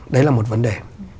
đấy là một vấn đề